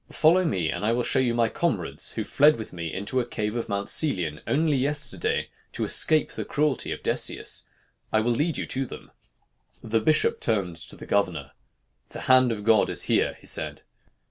Follow me, and I will show you my comrades, who fled with me into a cave of Mount Celion, only yesterday, to escape the cruelty of Decius. I will lead you to them.' "The bishop turned to the governor. 'The hand of God is here,' he said.